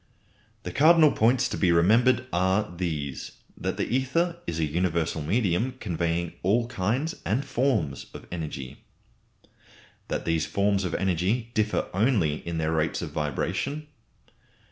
The cardinal points to be remembered are these: That the ether is a universal medium, conveying all kinds and forms of energy. That these forms of energy differ only in their rates of vibration.